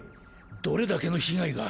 どれだけの被害が。